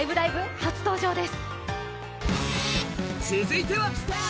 初登場です。